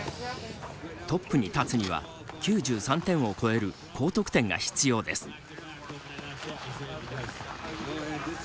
トップに立つには９３点を超える高得点が必要です。